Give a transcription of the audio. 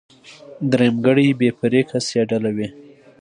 درېمګړی بې پرې کس يا ډله وي.